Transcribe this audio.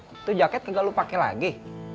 itu jaket gak lo pake lagi